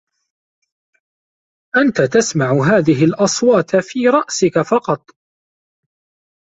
أنت تسمع هذه الأصوات في رأسك فقط.